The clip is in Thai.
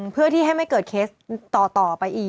เพื่อที่ให้ไม่เกิดเคสต่อไปอีก